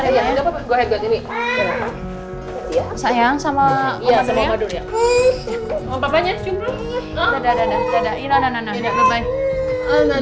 eh oh sayang